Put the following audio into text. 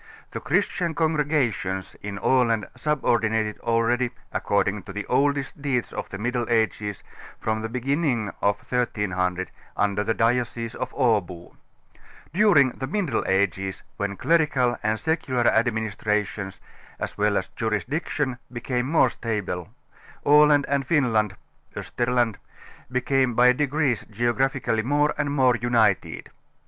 The christian congregations in Aland subordinated already, according to the oldest deeds of the Middle Ages, from the beginnig of 1300 under the diocese of Abo. During the Middle Ages, when clerical and secular administrations, as well as jurisdiction, became more stabile, Aland and Finland (Osterland) became bj^ degrees geographically more and more united.